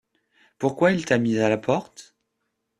Pourquoi il t’a mis à la porte?